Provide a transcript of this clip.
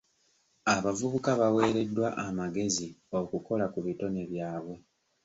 Abavubuka baweereddwa amagezi okukola ku bitone byabwe.